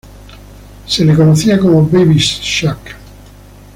Se le conocía como "Baby Shaq".